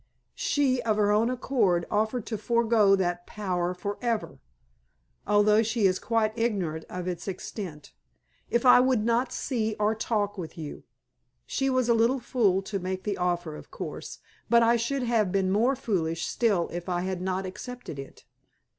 She, of her own accord, offered to forego that power forever although she is quite ignorant of its extent if I would not see or talk with you. She was a little fool to make the offer, of course, but I should have been more foolish still if I had not accepted it.